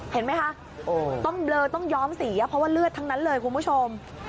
เห็นไหมคะต้องเบลอต้องย้อมสีเพราะว่าเลือดทั้งนั้นเลยคุณผู้ชม